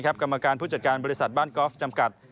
กรรมการผู้จัดการบริษัทบ้านกอล์ฟจำกัด